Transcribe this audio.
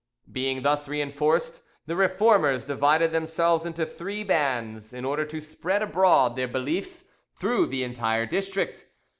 Being thus reinforced, the Reformers divided themselves into three bands, in order to spread abroad their beliefs through the entire district.